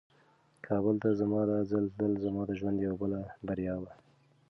کابل ته زما دا ځل تلل زما د ژوند یوه بله بریا وه.